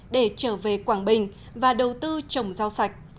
để trở về quảng bình và đầu tư trồng rau sạch